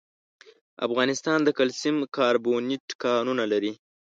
افغانستان د کلسیم کاربونېټ کانونه لري.